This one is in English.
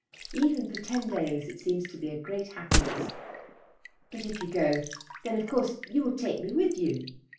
Even for ten days it seems to be a great happiness. But if you go, then of course you will take me with you."